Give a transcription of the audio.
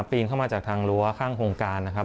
ปีนเข้ามาจากทางรั้วข้างโครงการนะครับ